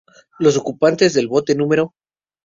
Los ocupantes del bote No.